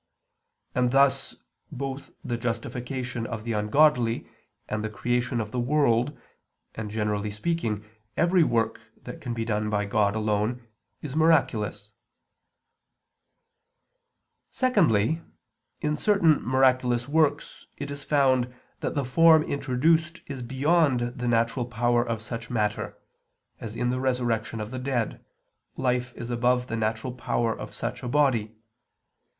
And thus both the justification of the ungodly and the creation of the world, and, generally speaking, every work that can be done by God alone, is miraculous. Secondly, in certain miraculous works it is found that the form introduced is beyond the natural power of such matter, as in the resurrection of the dead, life is above the natural power of such a body.